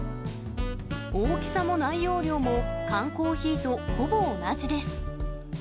大きさも内容量も、缶コーヒーとほぼ同じです。